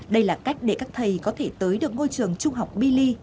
đây là cách để các thầy có thể tới được ngôi trường trung học bili